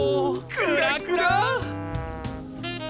クラクラ！